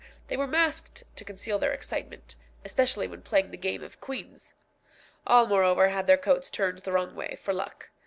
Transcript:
They were masked to conceal their excitement, especially when playing the game of quinze. All, moreover, had their coats turned the wrong way, for luck.